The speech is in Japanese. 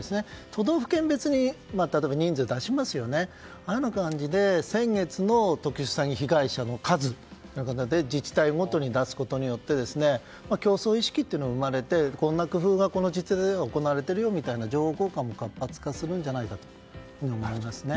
都道府県別に人数を出しますがあの感じで先月の特殊詐欺被害者の数を自治体ごとに出すことによって競争意識というのも生まれてこんな工夫が実際に行われているよという情報交換も活発化すると思いますね。